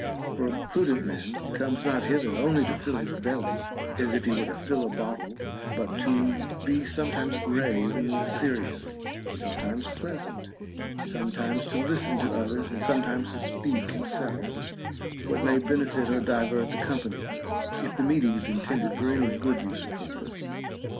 For a prudent man comes not hither only to fill his belly, as if he were to fill a bottle, but to be sometimes grave and serious, sometimes pleasant, sometimes to listen to others, and some times to speak himself what may benefit or divert the com pany, if the meeting is intended for any good use or purpose.